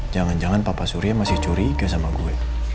jangan jangan papa surya masih curiga sama gue